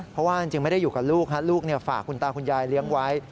เพราะว่าจริงไม่ได้อยู่กับลูกลูกฝากคุณตาคุณยายเลี้ยงไว้